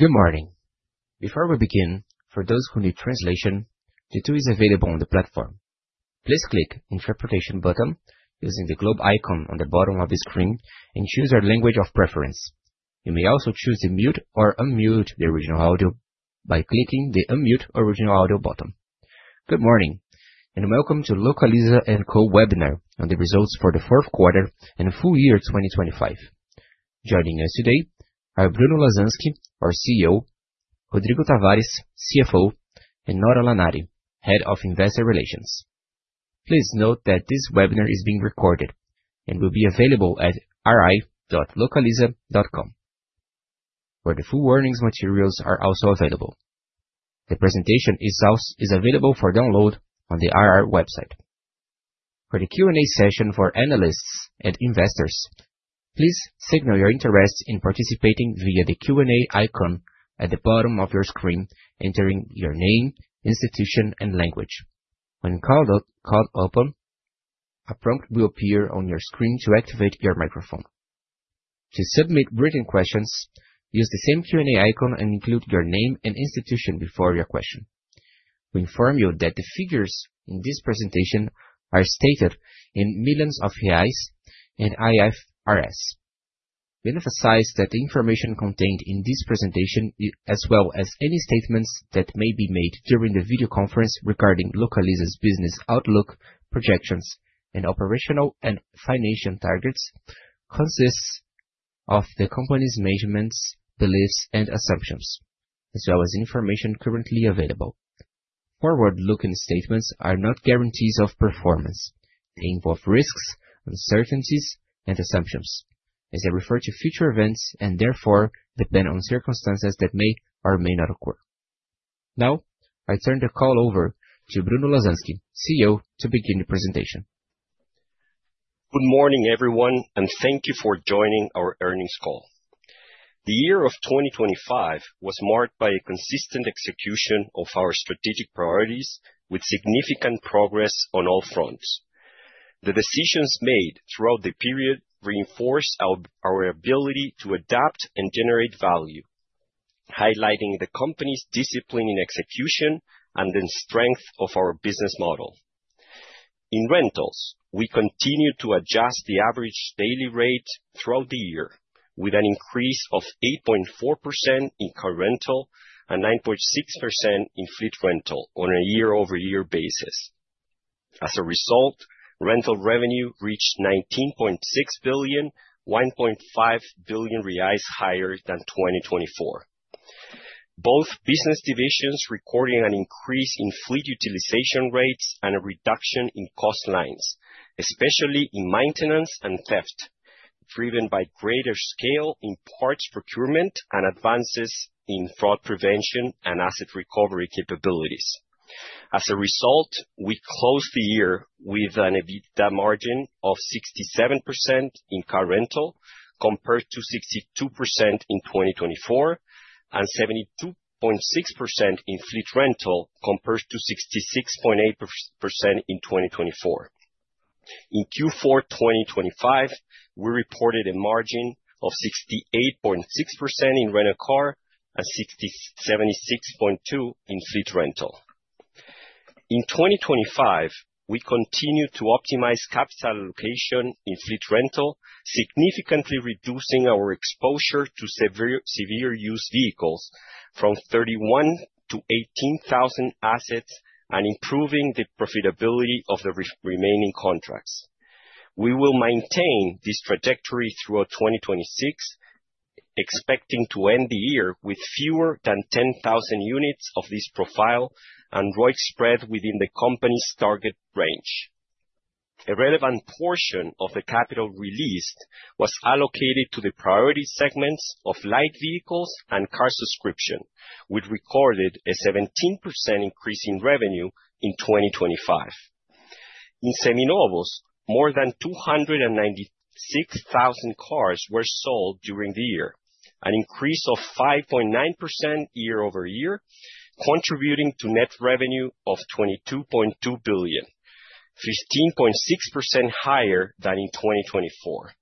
Good morning. Before we begin, for those who need translation, the tool is available on the platform. Please click Interpretation button using the globe icon on the bottom of the screen and choose your language of preference. You may also choose to mute or unmute the original audio by clicking the Unmute Original Audio button. Good morning, welcome to Localiza & Co. webinar on the results for the fourth quarter and full year 2025. Joining us today are Bruno Lasansky, our CEO, Rodrigo Tavares, CFO, and Nora Lanari, Head of Investor Relations. Please note that this webinar is being recorded and will be available at ri.localiza.com, where the full earnings materials are also available. The presentation is also available for download on the IR website. For the Q&A session for analysts and investors, please signal your interest in participating via the Q&A icon at the bottom of your screen, entering your name, institution, and language. When call open, a prompt will appear on your screen to activate your microphone. To submit written questions, use the same Q&A icon and include your name and institution before your question. We inform you that the figures in this presentation are stated in millions of Reais and IFRS. We emphasize that the information contained in this presentation, as well as any statements that may be made during the video conference regarding Localiza's business outlook, projections, and operational and financial targets, consists of the company's measurements, beliefs, and assumptions, as well as information currently available. Forward-looking statements are not guarantees of performance. They involve risks, uncertainties, and assumptions, as they refer to future events and therefore depend on circumstances that may or may not occur. Now, I turn the call over to Bruno Lasansky, CEO, to begin the presentation. Good morning, everyone, thank you for joining our earnings call. The year of 2025 was marked by a consistent execution of our strategic priorities, with significant progress on all fronts. The decisions made throughout the period reinforced our ability to adapt and generate value, highlighting the company's discipline in execution and the strength of our business model. In rentals, we continued to adjust the average daily rate throughout the year, with an increase of 8.4% in car rental and 9.6% in fleet rental on a year-over-year basis. As a result, rental revenue reached 19.6 billion, 1.5 billion reais higher than 2024. Both business divisions recording an increase in fleet utilization rates and a reduction in cost lines, especially in maintenance and theft, driven by greater scale in parts procurement and advances in fraud prevention and asset recovery capabilities. As a result, we closed the year with an EBITDA margin of 67% in car rental, compared to 62% in 2024, and 72.6% in fleet rental, compared to 66.8% in 2024. In Q4 2025, we reported a margin of 68.6% in rent-a-car and 76.2% in fleet rental. In 2025, we continued to optimize capital allocation in fleet rental, significantly reducing our exposure to severe use vehicles from 31,000 to 18,000 assets and improving the profitability of the remaining contracts. We will maintain this trajectory throughout 2026, expecting to end the year with fewer than 10,000 units of this profile and ROIC spread within the company's target range. A relevant portion of the capital released was allocated to the priority segments of light vehicles and car subscription, which recorded a 17% increase in revenue in 2025. In Seminovos, more than 296,000 cars were sold during the year, an increase of 5.9% year-over-year, contributing to net revenue of 22.2 billion, 15.6% higher than in 2024.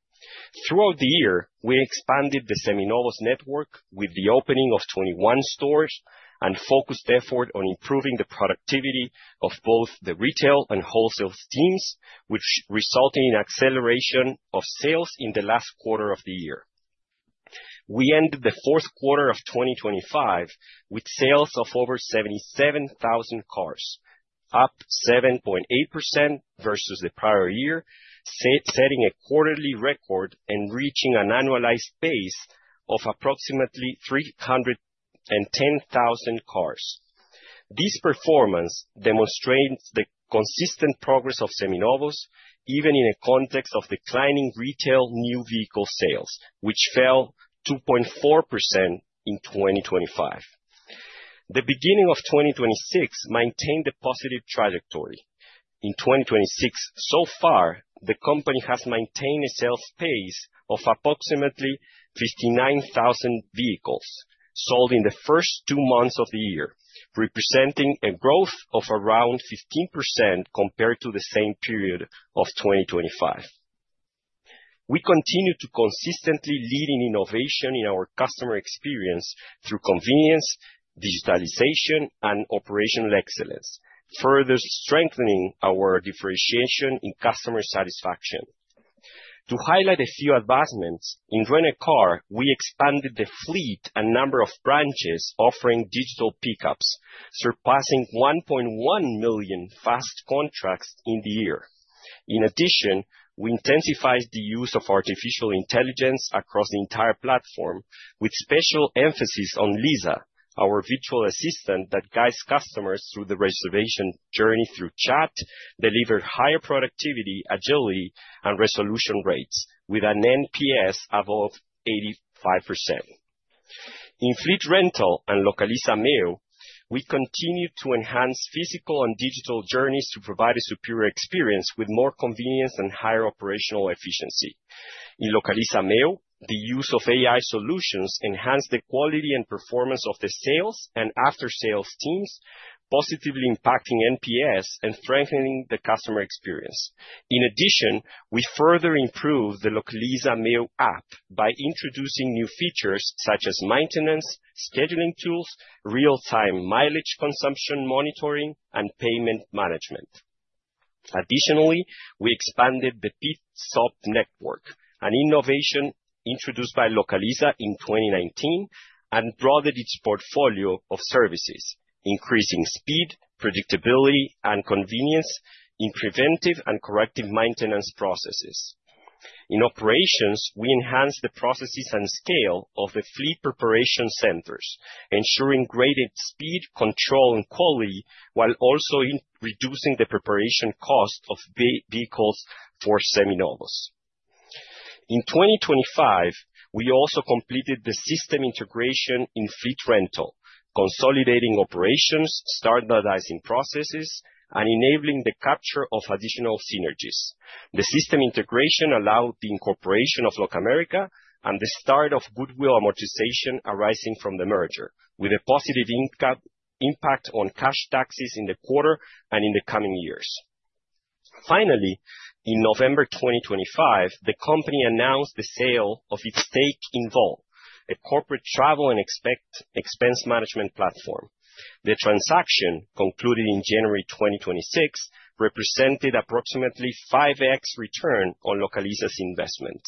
Throughout the year, we expanded the Seminovos network with the opening of 21 stores and focused effort on improving the productivity of both the retail and wholesale teams, which resulted in acceleration of sales in the last quarter of the year. We ended the fourth quarter of 2025 with sales of over 77,000 cars, up 7.8% versus the prior year, setting a quarterly record and reaching an annualized pace of approximately 310,000 cars. This performance demonstrates the consistent progress of Seminovos, even in a context of declining retail new vehicle sales, which fell 2.4% in 2025. The beginning of 2026 maintained a positive trajectory. In 2026, so far, the company has maintained a sales pace of approximately 59,000 vehicles sold in the first two months of the year, representing a growth of around 15% compared to the same period of 2025. We continue to consistently lead in innovation in our customer experience through convenience, digitalization, and operational excellence, further strengthening our differentiation in customer satisfaction. To highlight a few advancements, in Rent a Car, we expanded the fleet and number of branches offering digital pickups, surpassing 1.1 million fast contracts in the year. We intensified the use of artificial intelligence across the entire platform, with special emphasis on Lisa, our virtual assistant, that guides customers through the reservation journey through chat, delivered higher productivity, agility, and resolution rates with an NPS above 85%. In fleet rental and Localiza Meoo, we continued to enhance physical and digital journeys to provide a superior experience with more convenience and higher operational efficiency. In Localiza Meoo, the use of AI solutions enhanced the quality and performance of the sales and after-sales teams, positively impacting NPS and strengthening the customer experience. We further improved the Localiza Meoo app by introducing new features such as maintenance, scheduling tools, real-time mileage consumption monitoring, and payment management. Additionally, we expanded the Pit Stop network, an innovation introduced by Localiza in 2019, and broadened its portfolio of services, increasing speed, predictability, and convenience in preventive and corrective maintenance processes. In operations, we enhanced the processes and scale of the fleet preparation centers, ensuring graded speed, control, and quality, while also reducing the preparation cost of vehicles for Seminovos. In 2025, we also completed the system integration in fleet rental, consolidating operations, standardizing processes, and enabling the capture of additional synergies. The system integration allowed the incorporation of Locamerica and the start of goodwill amortization arising from the merger, with a positive impact on cash taxes in the quarter and in the coming years. Finally, in November 2025, the company announced the sale of its stake in Voll, a corporate travel and expense management platform. The transaction, concluded in January 2026, represented approximately 5x return on Localiza's investment.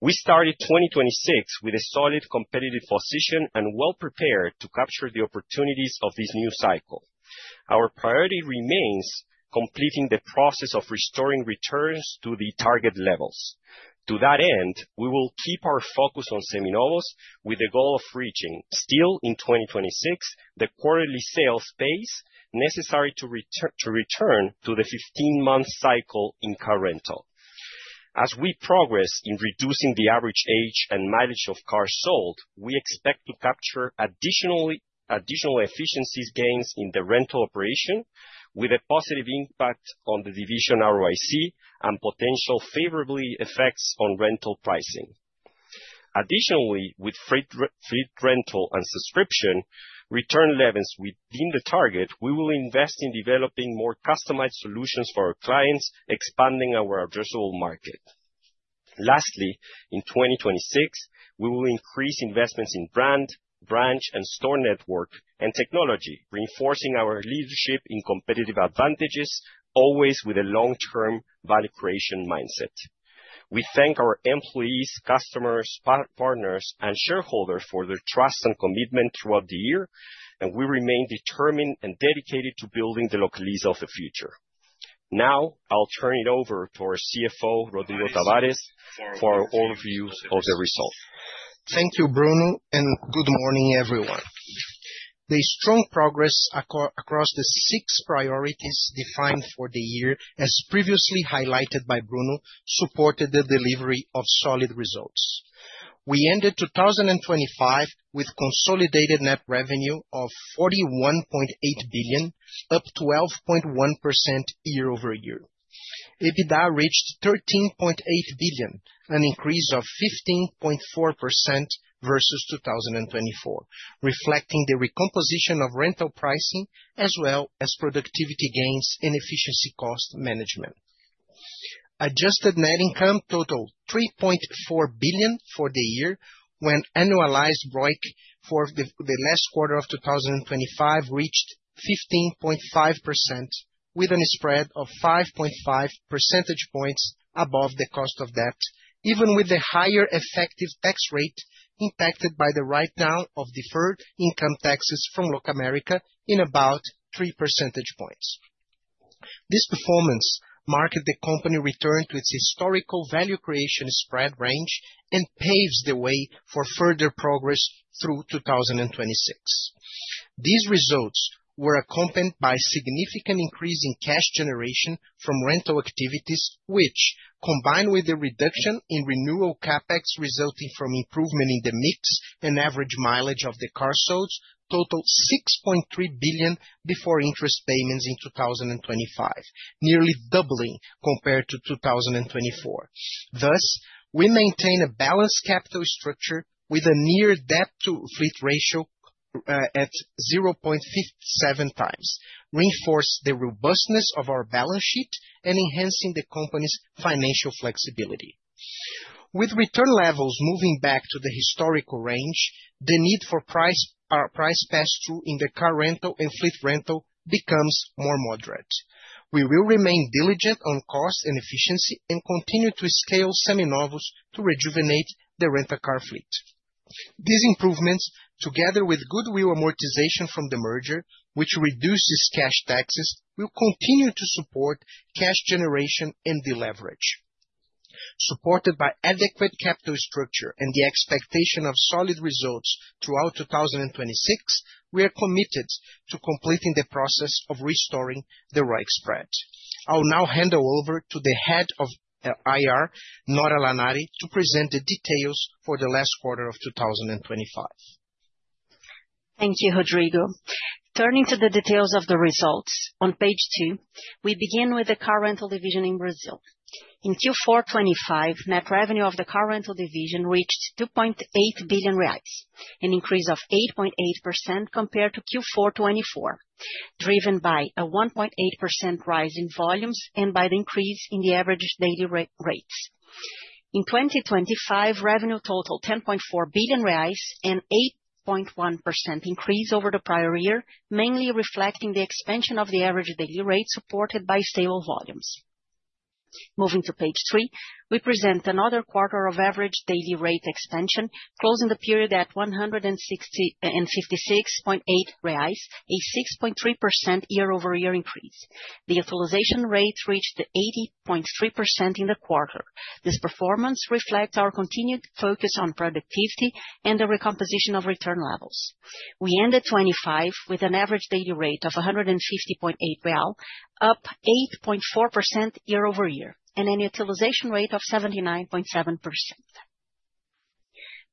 We started 2026 with a solid competitive position and well prepared to capture the opportunities of this new cycle. Our priority remains completing the process of restoring returns to the target levels. To that end, we will keep our focus on Seminovos with the goal of reaching, still in 2026, the quarterly sales pace necessary to return to the 15-month cycle in car rental. As we progress in reducing the average age and mileage of cars sold, we expect to capture additional efficiencies gains in the rental operation, with a positive impact on the division ROIC and potential favorably effects on rental pricing. Additionally, with fleet rental and subscription return levels within the target, we will invest in developing more customized solutions for our clients, expanding our addressable market. Lastly, in 2026, we will increase investments in brand, branch, and store network and technology, reinforcing our leadership in competitive advantages, always with a long-term value creation mindset. We thank our employees, customers, partners, and shareholders for their trust and commitment throughout the year, and we remain determined and dedicated to building the Localiza of the future. Now, I'll turn it over to our CFO, Rodrigo Tavares, for overview of the results. Thank you, Bruno. Good morning, everyone. The strong progress across the six priorities defined for the year, as previously highlighted by Bruno, supported the delivery of solid results. We ended 2025 with consolidated net revenue of 41.8 billion, up 12.1% year-over-year. EBITDA reached 13.8 billion, an increase of 15.4% versus 2024, reflecting the recomposition of rental pricing, as well as productivity gains and efficiency cost management. Adjusted net income totaled 3.4 billion for the year, when annualized ROIC for the last quarter of 2025 reached 15.5%, with a spread of 5.5 percentage points above the cost of debt, even with the higher effective tax rate impacted by the write down of deferred income taxes from Locamerica in about three percentage points. This performance marked the company return to its historical value creation spread range and paves the way for further progress through 2026. These results were accompanied by significant increase in cash generation from rental activities, which, combined with the reduction in renewal CapEx resulting from improvement in the mix and average mileage of the car sales, totaled 6.3 billion before interest payments in 2025, nearly doubling compared to 2024. Thus, we maintain a balanced capital structure with a near debt to fleet ratio at 0.57 times, reinforce the robustness of our balance sheet and enhancing the company's financial flexibility. With return levels moving back to the historical range, the need for price pass-through in the car rental and fleet rental becomes more moderate. We will remain diligent on cost and efficiency, and continue to scale Seminovos to rejuvenate the Rent-a-Car fleet. These improvements, together with goodwill amortization from the merger, which reduces cash taxes, will continue to support cash generation and deleverage. Supported by adequate capital structure and the expectation of solid results throughout 2026, we are committed to completing the process of restoring the right spread. I'll now hand over to the Head of IR, Nora Lanari, to present the details for the last quarter of 2025. Thank you, Rodrigo. Turning to the details of the results. On page two, we begin with the car rental division in Brazil. In Q4 2025, net revenue of the car rental division reached 2.8 billion reais, an increase of 8.8% compared to Q4 2024, driven by a 1.8% rise in volumes and by the increase in the average daily rates. In 2025, revenue totaled 10.4 billion reais, an 8.1% increase over the prior year, mainly reflecting the expansion of the average daily rate, supported by stable volumes. Moving to page three, we present another quarter of average daily rate expansion, closing the period at 156.8 reais, a 6.3% year-over-year increase. The utilization rate reached 80.3% in the quarter. This performance reflects our continued focus on productivity and the recomposition of return levels. We ended 2025 with an average daily rate of 150.8, up 8.4% year-over-year, and a utilization rate of 79.7%.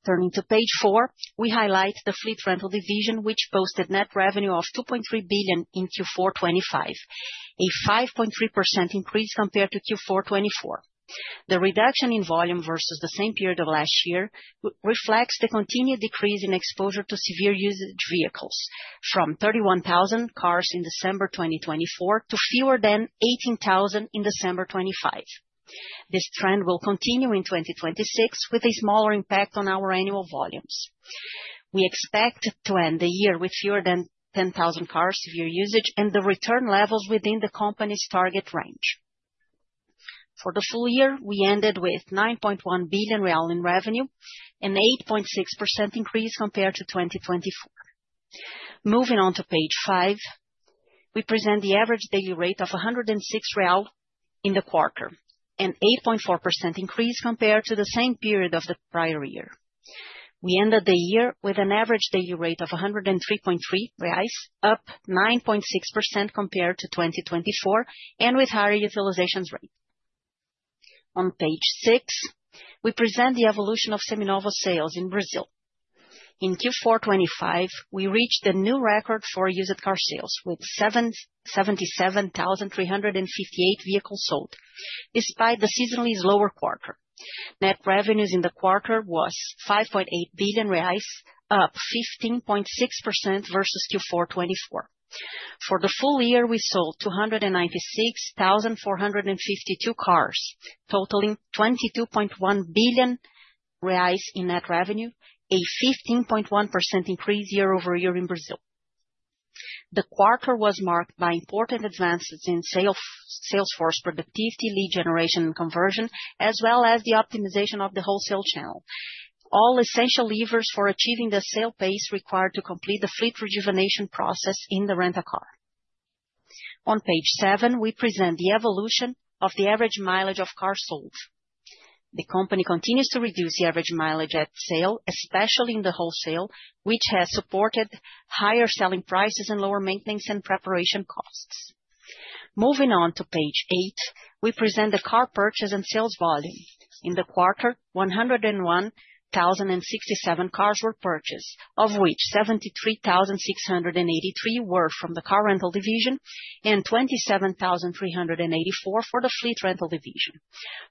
Turning to page four, we highlight the fleet rental division, which posted net revenue of 2.3 billion in Q4 2025, a 5.3% increase compared to Q4 2024. The reduction in volume versus the same period of last year reflects the continued decrease in exposure to severe usage vehicles, from 31,000 cars in December 2024 to fewer than 18,000 in December 2025. This trend will continue in 2026, with a smaller impact on our annual volumes. We expect to end the year with fewer than 10,000 cars of severe usage, and the return levels within the company's target range. For the full year, we ended with 9.1 billion real in revenue, an 8.6% increase compared to 2024. Moving on to page five, we present the average daily rate of 106 real in the quarter, an 8.4% increase compared to the same period of the prior year. We ended the year with an average daily rate of 103.3 reais, up 9.6% compared to 2024, and with higher utilizations rate. On page six, we present the evolution of Seminovos sales in Brazil. In Q4 2025, we reached a new record for used car sales, with 77,358 vehicles sold, despite the seasonally lower quarter. Net revenues in the quarter was 5.8 billion reais, up 15.6% versus Q4 2024. For the full year, we sold 296,452 cars, totaling 22.1 billion reais in net revenue, a 15.1% increase year-over-year in Brazil. The quarter was marked by important advances in sales force productivity, lead generation, and conversion, as well as the optimization of the wholesale channel. All essential levers for achieving the sale pace required to complete the fleet rejuvenation process in the Rent a Car. On page seven, we present the evolution of the average mileage of cars sold. The company continues to reduce the average mileage at sale, especially in the wholesale, which has supported higher selling prices and lower maintenance and preparation costs. Moving on to page eight, we present the car purchase and sales volume. In the quarter, 101,067 cars were purchased, of which 73,683 were from the car rental division and 27,384 for the fleet rental division.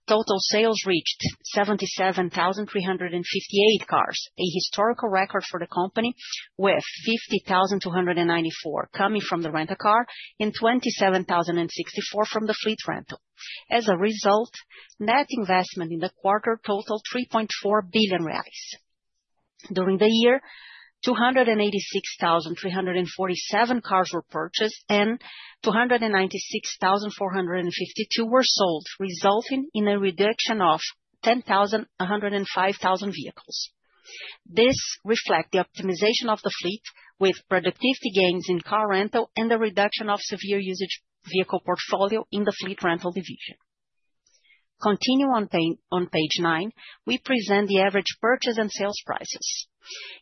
Total sales reached 77,358 cars, a historical record for the company, with 50,294 coming from the Rent a Car and 27,064 from the fleet rental. As a result, net investment in the quarter totaled 3.4 billion reais. During the year, 286,347 cars were purchased, and 296,452 were sold, resulting in a reduction of 105,000 vehicles. This reflect the optimization of the fleet, with productivity gains in car rental and the reduction of severe usage vehicle portfolio in the fleet rental division. Continue on page nine, we present the average purchase and sales prices.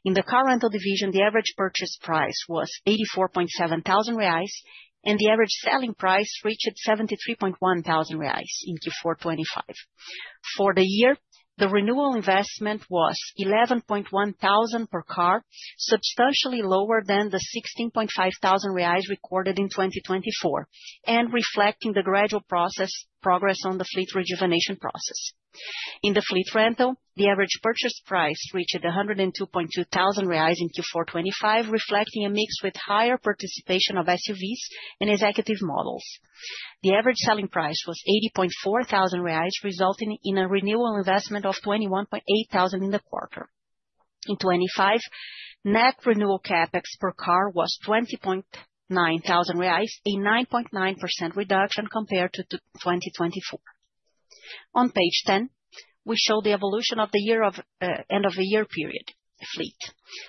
In the Rent a Car division, the average purchase price was 84.7 thousand reais, and the average selling price reached 73.1 thousand reais in Q4 2025. For the year, the renewal investment was 11.1 thousand per car, substantially lower than the 16.5 thousand reais recorded in 2024, and reflecting the gradual progress on the fleet rejuvenation process. In the fleet rental, the average purchase price reached 102.2 thousand reais in Q4 2025, reflecting a mix with higher participation of SUVs and executive models. The average selling price was 80.4 thousand reais, resulting in a renewal investment of 21.8 thousand in the quarter. In 2025, net renewal CapEx per car was 20.9 thousand reais, a 9.9% reduction compared to 2024. On page 10, we show the evolution of the end of the year period fleet.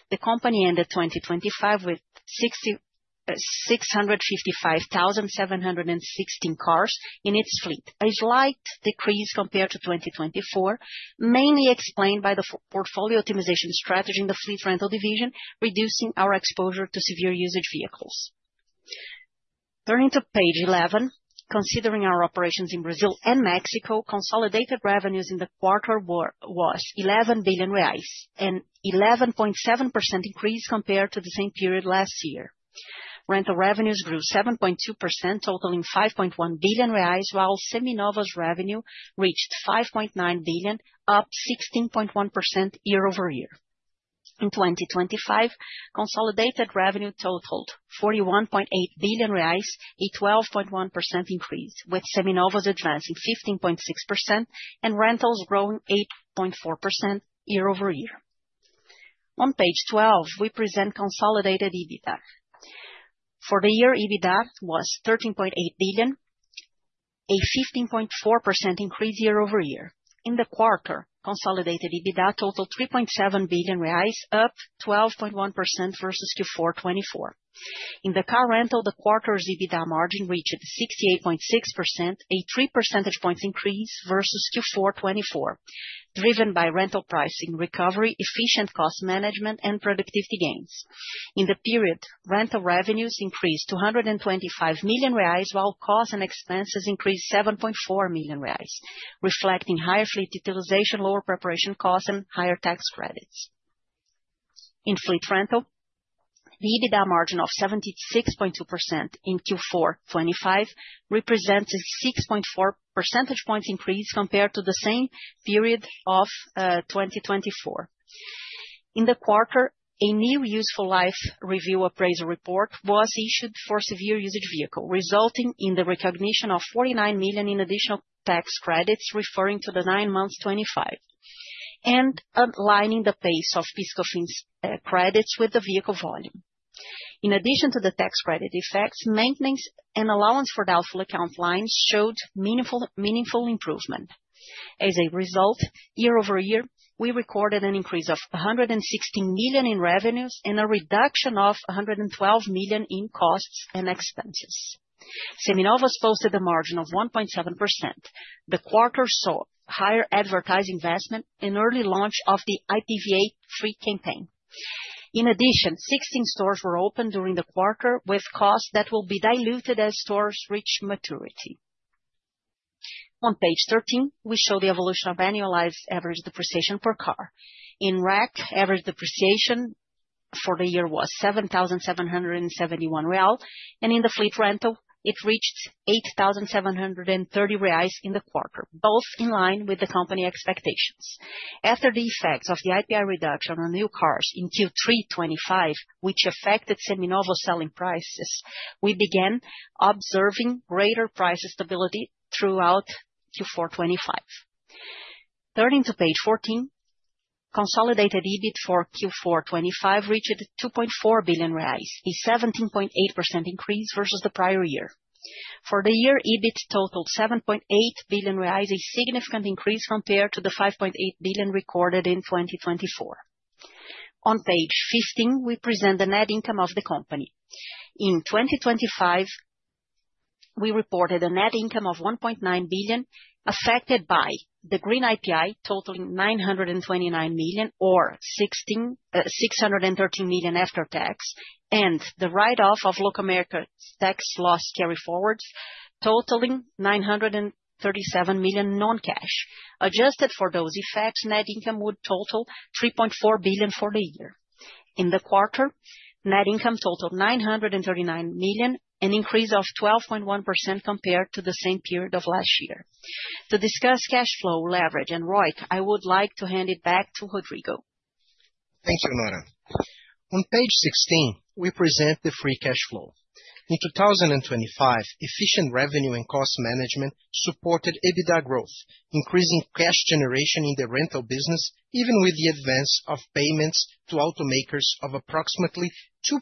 The company ended 2025 with 655,716 cars in its fleet, a slight decrease compared to 2024, mainly explained by the portfolio optimization strategy in the fleet rental division, reducing our exposure to severe usage vehicles. Turning to page 11, considering our operations in Brazil and Mexico, consolidated revenues in the quarter was 11 billion reais, an 11.7% increase compared to the same period last year. Rental revenues grew 7.2%, totaling 5.1 billion reais, while Seminovos' revenue reached 5.9 billion, up 16.1% year-over-year. In 2025, consolidated revenue totaled 41.8 billion reais, a 12.1% increase, with Seminovos' advancing 15.6% and rentals growing 8.4% year-over-year. On page 12, we present consolidated EBITDA. For the year, EBITDA was 13.8 billion, a 15.4% increase year-over-year. In the quarter, consolidated EBITDA totaled 3.7 billion reais, up 12.1% versus Q4 2024. In the car rental, the quarter's EBITDA margin reached 68.6%, a three percentage points increase versus Q4 2024, driven by rental pricing recovery, efficient cost management, and productivity gains. In the period, rental revenues increased to 125 million reais, while costs and expenses increased 7.4 million reais, reflecting higher fleet utilization, lower preparation costs, and higher tax credits. In fleet rental, the EBITDA margin of 76.2% in Q4 2025 represents a 6.4 percentage points increase compared to the same period of 2024. In the quarter, a new useful life review appraisal report was issued for severe usage vehicle, resulting in the recognition of 49 million in additional tax credits, referring to the nine months 2025, and aligning the pace of PIS/Cofins credits with the vehicle volume. In addition to the tax credit effects, maintenance and allowance for doubtful account lines showed meaningful improvement. As a result, year-over-year, we recorded an increase of 116 million in revenues and a reduction of 112 million in costs and expenses. Seminovos posted a margin of 1.7%. The quarter saw higher advertising investment and early launch of the IPVA free campaign. In addition, 16 stores were opened during the quarter, with costs that will be diluted as stores reach maturity. On page 13, we show the evolution of annualized average depreciation per car. In RAC, average depreciation for the year was 7,771 real, and in the fleet rental, it reached 8,730 reais in the quarter, both in line with the company expectations. After the effects of the IPI reduction on new cars in Q3 2025, which affected Seminovos selling prices, we began observing greater price stability throughout Q4 2025. Turning to page 14, consolidated EBIT for Q4 2025 reached 2.4 billion reais, a 17.8% increase versus the prior year. For the year, EBIT totaled 7.8 billion reais, a significant increase compared to the 5.8 billion recorded in 2024. On page 15, we present the net income of the company. In 2025, we reported a net income of 1.9 billion, affected by the green IPI, totaling 929 million or 613 million after tax, and the write-off of Locamerica's tax loss carryforwards, totaling 937 million non-cash. Adjusted for those effects, net income would total 3.4 billion for the year. In the quarter, net income totaled 939 million, an increase of 12.1% compared to the same period of last year. To discuss cash flow, leverage, and ROIC, I would like to hand it back to Rodrigo. Thank you, Nora. On page 16, we present the free cash flow. In 2025, efficient revenue and cost management supported EBITDA growth, increasing cash generation in the rental business, even with the advance of payments to automakers of approximately 2.2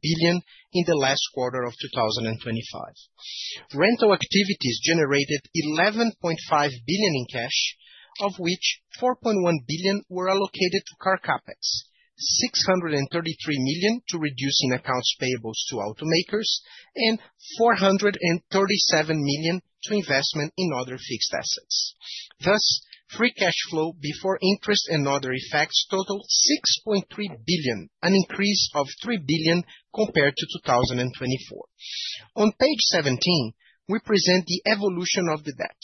billion in the last quarter of 2025. Rental activities generated 11.5 billion in cash, of which 4.1 billion were allocated to car CapEx, 633 million to reducing accounts payables to automakers, and 437 million to investment in other fixed assets. Thus, free cash flow before interest and other effects totaled 6.3 billion, an increase of 3 billion compared to 2024. On page 17, we present the evolution of the debt.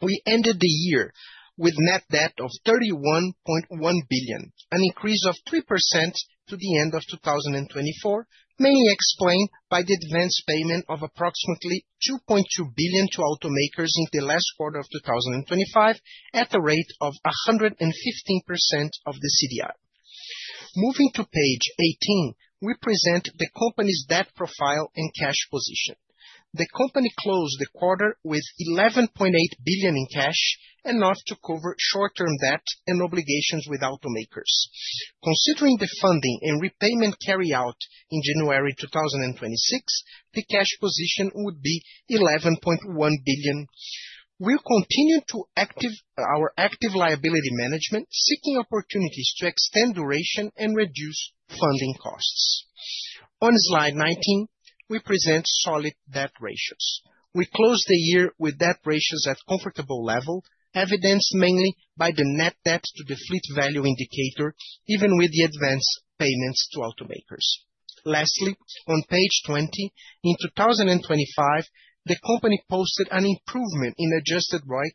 We ended the year with net debt of 31.1 billion, an increase of 3% to the end of 2024, mainly explained by the advanced payment of approximately 2.2 billion to automakers in the last quarter of 2025, at a rate of 115% of the CDI. Moving to page 18, we present the company's debt profile and cash position. The company closed the quarter with 11.8 billion in cash, enough to cover short-term debt and obligations with automakers. Considering the funding and repayment carry out in January 2026, the cash position would be 11.1 billion. We'll continue our active liability management, seeking opportunities to extend duration and reduce funding costs. On slide 19, we present solid debt ratios. We closed the year with debt ratios at comfortable level, evidenced mainly by the net debt to the fleet value indicator, even with the advanced payments to automakers. Lastly, on page 20, in 2025, the company posted an improvement in adjusted ROIC,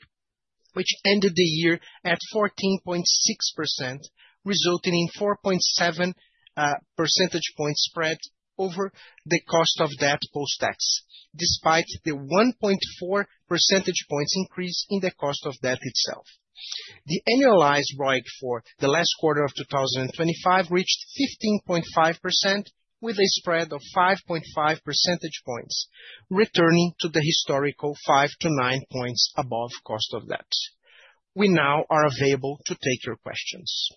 which ended the year at 14.6%, resulting in 4.7 percentage point spread over the cost of debt post-tax, despite the 1.4 percentage points increase in the cost of debt itself. The annualized ROIC for the last quarter of 2025 reached 15.5% with a spread of 5.5 percentage points, returning to the historical five to nine points above cost of debt. We now are available to take your questions.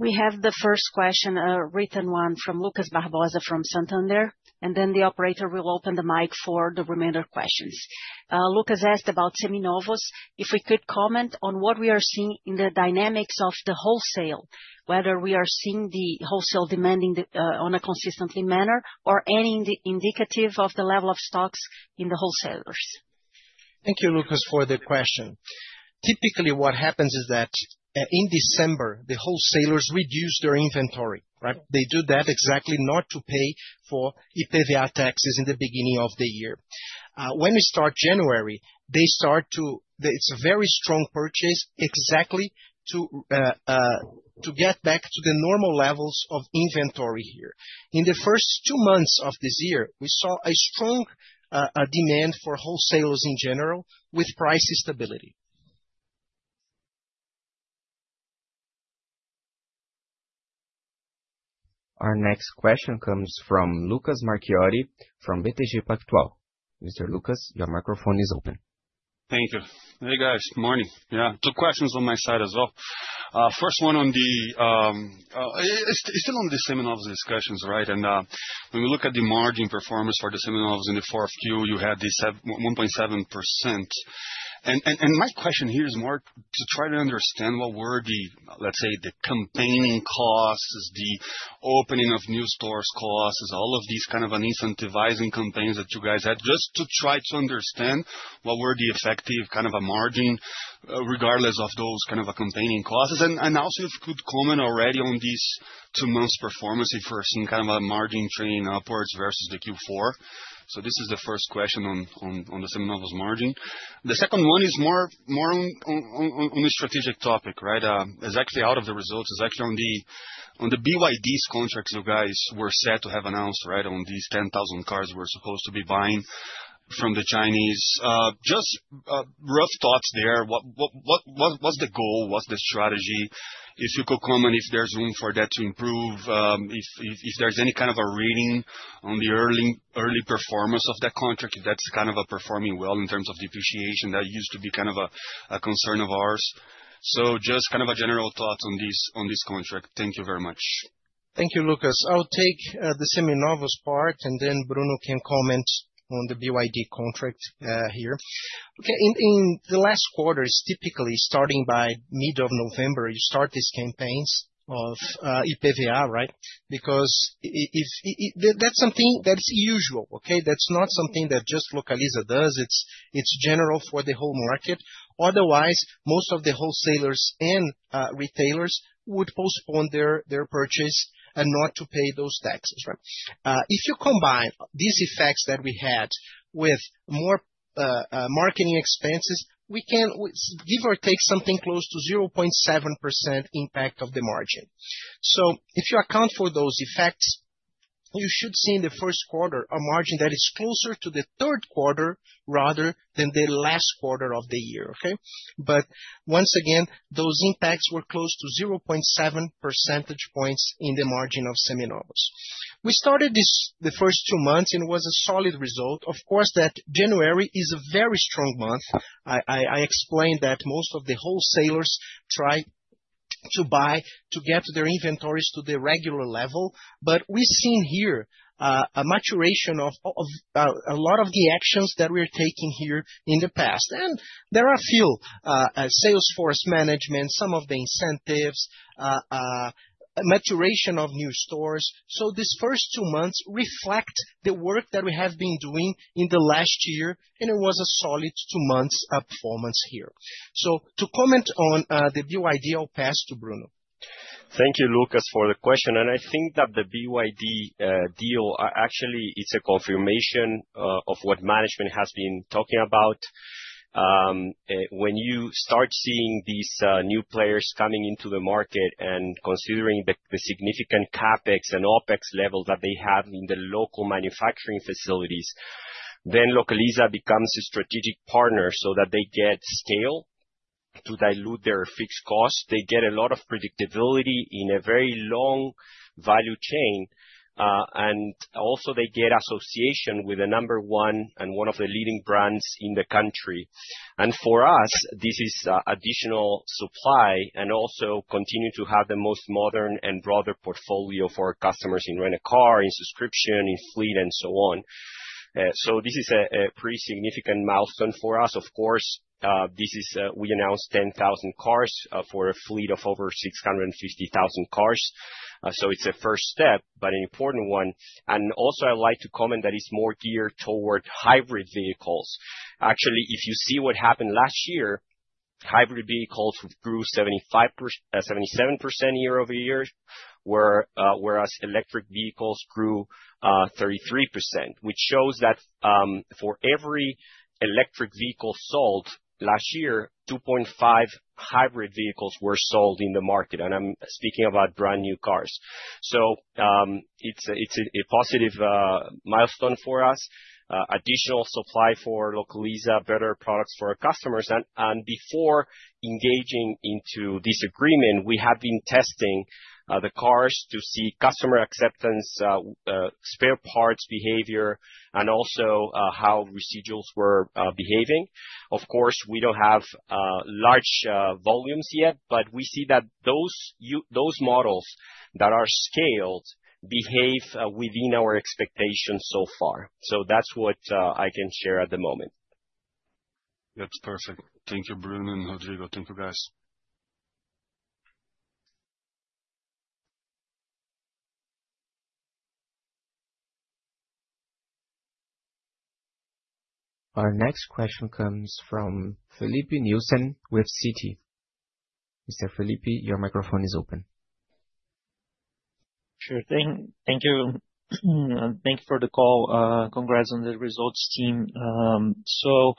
We have the first question, a written one from Lucas Barbosa, from Santander. The operator will open the mic for the remainder questions. Lucas asked about Seminovos, if we could comment on what we are seeing in the dynamics of the wholesale, whether we are seeing the wholesale demanding on a consistently manner or any indicative of the level of stocks in the wholesalers. Thank you, Lucas, for the question. Typically, what happens is that, in December, the wholesalers reduce their inventory, right? They do that exactly not to pay for IPVA taxes in the beginning of the year. When we start January, they start a very strong purchase, exactly to get back to the normal levels of inventory here. In the first two months of this year, we saw a strong demand for wholesalers in general, with price stability. Our next question comes from Lucas Marquiori, from BTG Pactual. Mr. Lucas, your microphone is open. Thank you. Hey, guys. Good morning. Two questions on my side as well. First one on the, it's still on the Seminovos discussions, right? When we look at the margin performance for the Seminovos in the fourth Q, you had the 1.7%. My question here is more to try to understand what were the, let's say, the campaigning costs, the opening of new stores costs, all of these kind of an incentivizing campaigns that you guys had, just to try to understand what were the effective, kind of, a margin, regardless of those kind of accompanying costs. Also, if you could comment already on these two months performance, if we're seeing kind of a margin trending upwards versus the Q4. This is the first question on the Seminovos margin. The second one is more on a strategic topic, right? It's actually out of the results, it's actually on the BYD's contracts you guys were set to have announced, right, on these 10,000 cars we're supposed to be buying from the Chinese. Just rough thoughts there. What's the goal? What's the strategy? If you could comment, if there's room for that to improve, if there's any kind of a reading on the early performance of that contract, if that's kind of a performing well in terms of depreciation, that used to be kind of a concern of ours. Just kind of a general thought on this contract. Thank you very much. Thank you, Lucas. I'll take the Seminovos part, then Bruno can comment on the BYD contract here. In the last quarters, typically starting by mid of November, you start these campaigns of IPVA, right? That's something that is usual. That's not something that just Localiza does, it's general for the whole market. Most of the wholesalers and retailers would postpone their purchase and not to pay those taxes, right? If you combine these effects that we had with more marketing expenses, we can give or take something close to 0.7% impact of the margin. If you account for those effects, you should see in the first quarter, a margin that is closer to the third quarter rather than the last quarter of the year. Once again, those impacts were close to 0.7 percentage points in the margin of Seminovos. We started this the first two months, it was a solid result. Of course, that January is a very strong month. I explained that most of the wholesalers try to buy to get their inventories to their regular level, but we've seen here a maturation of a lot of the actions that we're taking here in the past. There are a few sales force management, some of the incentives, maturation of new stores. These first two months reflect the work that we have been doing in the last year, and it was a solid two months performance here. To comment on the BYD, I'll pass to Bruno. Thank you, Lucas, for the question. I think that the BYD deal actually it's a confirmation of what management has been talking about. When you start seeing these new players coming into the market and considering the significant CapEx and OpEx levels that they have in the local manufacturing facilities, Localiza becomes a strategic partner so that they get scale to dilute their fixed costs. They get a lot of predictability in a very long value chain. Also, they get association with the number one and one of the leading brands in the country. For us, this is additional supply, and also continue to have the most modern and broader portfolio for our customers in rent-a-car, in subscription, in fleet, and so on. This is a pretty significant milestone for us. Of course, We announced 10,000 cars for a fleet of over 650,000 cars. It's a first step, but an important one. I'd like to comment that it's more geared toward hybrid vehicles. Actually, if you see what happened last year, hybrid vehicles grew 77% year-over-year, where, whereas electric vehicles grew 33%, which shows that for every electric vehicle sold last year, 2.5 hybrid vehicles were sold in the market, and I'm speaking about brand-new cars. It's a positive milestone for us. Additional supply for Localiza, better products for our customers. Before engaging into this agreement, we have been testing the cars to see customer acceptance, spare parts behavior, and also how residuals were behaving. Of course, we don't have large volumes yet, but we see that those models that are scaled behave within our expectations so far. That's what I can share at the moment. That's perfect. Thank you, Bruno and Rodrigo. Thank you, guys. Our next question comes from Filipe Nielsen with Citi. Mr. Filipe, your microphone is open. Sure. Thank you. Thank you for the call. Congrats on the results team. So,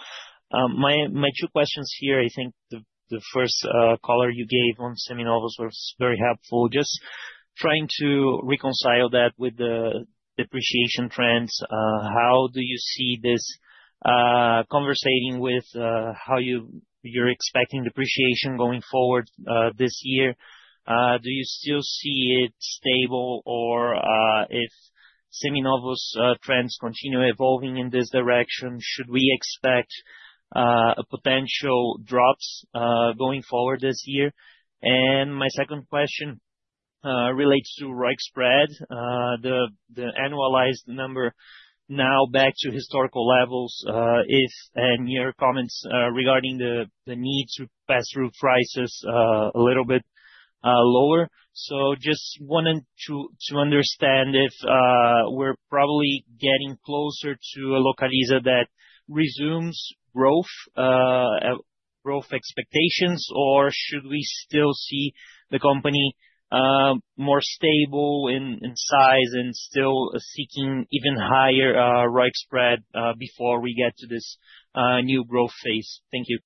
my two questions here, I think the first caller you gave on Seminovos was very helpful. Just trying to reconcile that with the depreciation trends, how do you see this conversating with how you're expecting depreciation going forward this year? Do you still see it stable? Or, if Seminovos trends continue evolving in this direction, should we expect a potential drops going forward this year? My second question relates to ROIC spread. The annualized number now back to historical levels, if, and your comments regarding the need to pass through prices a little bit lower. Just wanted to understand if we're probably getting closer to a Localiza that resumes growth expectations, or should we still see the company more stable in size and still seeking even higher ROIC spread before we get to this new growth phase? Thank you.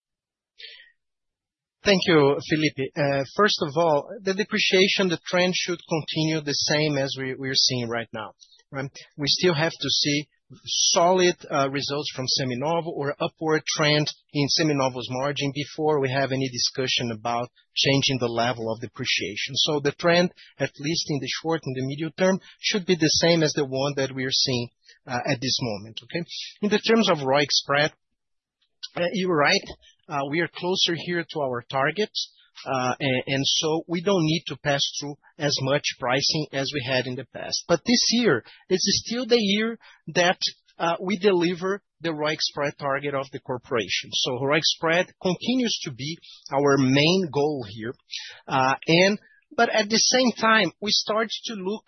Thank you, Filipe. First of all, the depreciation, the trend should continue the same as we're seeing right now, right? We still have to see solid results from Seminovos or upward trend in Seminovos margin before we have any discussion about changing the level of depreciation. The trend, at least in the short and the medium term, should be the same as the one that we are seeing at this moment, okay? In the terms of ROIC spread, you're right, we are closer here to our targets, and so we don't need to pass through as much pricing as we had in the past. This year, this is still the year that we deliver the ROIC spread target of the corporation. ROIC spread continues to be our main goal here. But at the same time, we start to look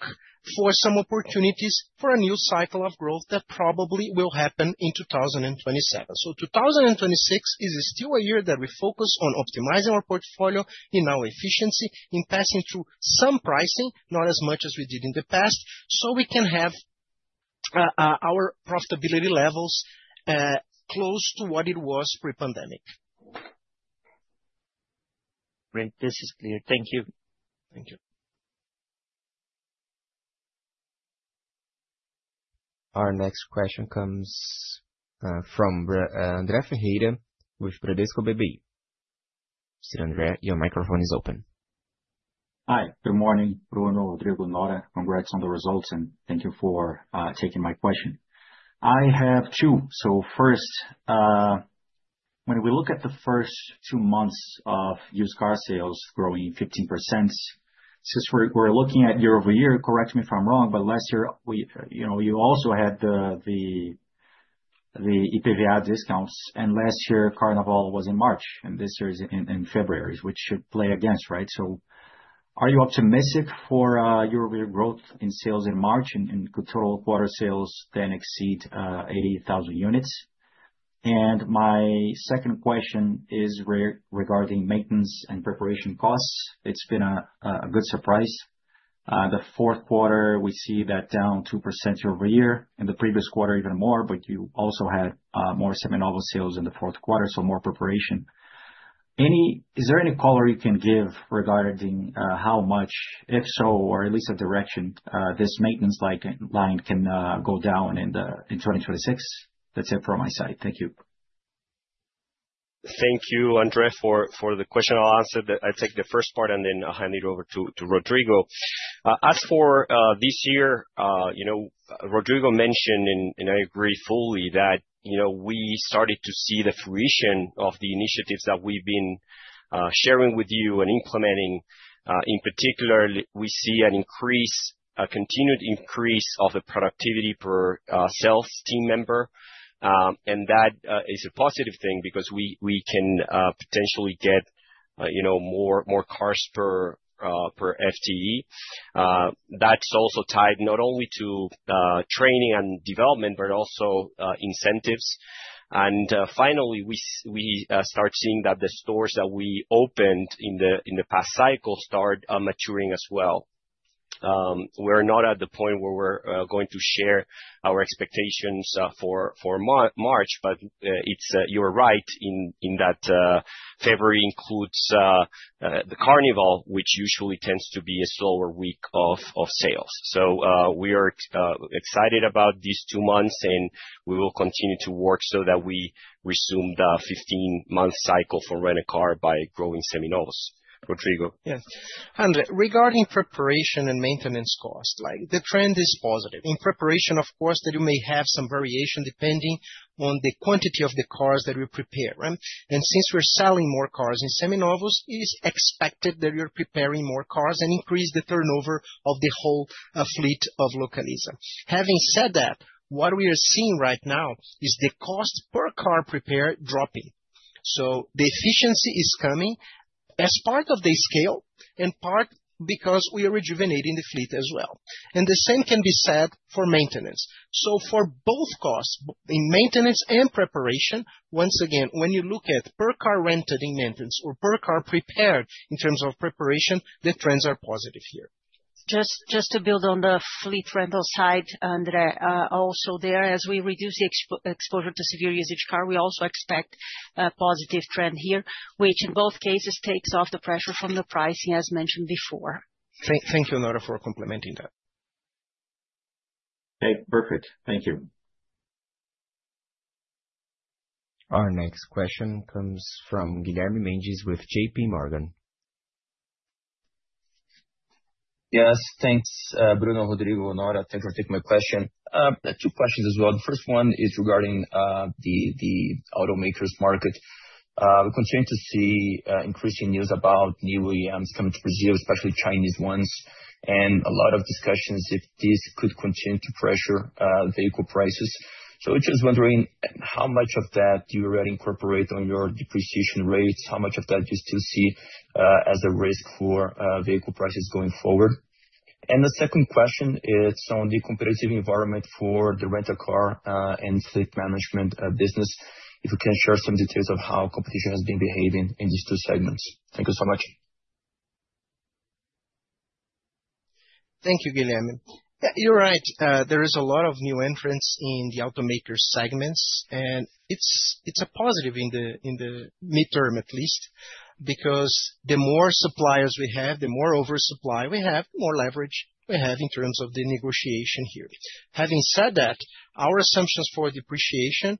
for some opportunities for a new cycle of growth that probably will happen in 2027. 2026 is still a year that we focus on optimizing our portfolio in our efficiency, in passing through some pricing, not as much as we did in the past, so we can have our profitability levels close to what it was pre-pandemic. Great, this is clear. Thank you. Thank you. Our next question comes from André Ferreira with Bradesco BBI. Sir André, your microphone is open. Hi, good morning, Bruno, Rodrigo, Nora. Congrats on the results, thank you for taking my question. I have two. First, when we look at the first two months of used car sales growing 15%, since we're looking at year-over-year, correct me if I'm wrong, but last year, you know, you also had the IPVA discounts, last year, Carnival was in March, this year is in February, which should play against, right? Are you optimistic for your year growth in sales in March, and control quarter sales exceed 80,000 units? My second question is regarding maintenance and preparation costs. It's been a good surprise. The fourth quarter, we see that down 2% year-over-year, in the previous quarter even more, but you also had more Seminovos sales in the fourth quarter, so more preparation. Is there any color you can give regarding how much, if so, or at least a direction, this maintenance line can go down in 2026? That's it from my side. Thank you. Thank you, André, for the question. I'll take the first part and then I'll hand it over to Rodrigo. As for this year, you know, Rodrigo mentioned, and I agree fully, that, you know, we started to see the fruition of the initiatives that we've been sharing with you and implementing. In particular, we see an increase, a continued increase of the productivity per sales team member, and that is a positive thing because we can potentially get, you know, more cars per FTE. That's also tied not only to training and development, but also incentives. Finally, we start seeing that the stores that we opened in the past cycle start maturing as well. We're not at the point where we're going to share our expectations for March. It's you're right in that February includes the carnival, which usually tends to be a slower week of sales. We are excited about these two months, and we will continue to work so that we resume the 15 months cycle for Rent a Car by growing Seminovos. Rodrigo? Yes. André, regarding preparation and maintenance cost, like, the trend is positive. In preparation, of course, that you may have some variation depending on the quantity of the cars that we prepare, right? Since we're selling more cars in Seminovos, it is expected that we are preparing more cars and increase the turnover of the whole fleet of Localiza. Having said that, what we are seeing right now is the cost per car prepared dropping. The efficiency is coming as part of the scale and part because we are rejuvenating the fleet as well. The same can be said for maintenance. For both costs in maintenance and preparation, once again, when you look at per car rented in maintenance or per car prepared in terms of preparation, the trends are positive here. Just to build on the fleet rental side, André, also there, as we reduce the exposure to severe usage car, we also expect a positive trend here, which in both cases takes off the pressure from the pricing, as mentioned before. Thank you, Nora, for complementing that. Okay, perfect. Thank you. Our next question comes from Guilherme Mendes with J.P. Morgan. Yes, thanks, Bruno, Rodrigo, Nora, thank you for taking my question. I have two questions as well. The first one is regarding the automakers market. We continue to see increasing news about new OEMs coming to Brazil, especially Chinese ones, and a lot of discussions if this could continue to pressure vehicle prices. Just wondering, how much of that do you already incorporate on your depreciation rates? How much of that do you still see as a risk for vehicle prices going forward? The second question is on the competitive environment for the rent a car and fleet management business, if you can share some details of how competition has been behaving in these two segments. Thank you so much. Thank you, Guilherme. You're right, there is a lot of new entrants in the automaker segments, and it's a positive in the midterm at least, because the more suppliers we have, the more oversupply we have, more leverage we have in terms of the negotiation here. Having said that, our assumptions for depreciation